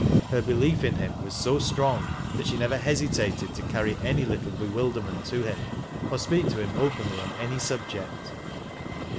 Her b(jliel in him was so strong that she never hesitated to carrv an) JOAN AJTD TBB CHILD. 63 little bewilderment to him or to speak to him openly upon any snbject.